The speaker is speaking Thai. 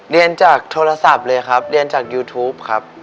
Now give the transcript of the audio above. เรียนจากโทรศัพท์เลยครับเรียนจากยูทูปครับ